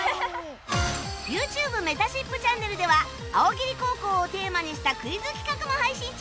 ＹｏｕＴｕｂｅ めたしっぷチャンネルではあおぎり高校をテーマにしたクイズ企画も配信中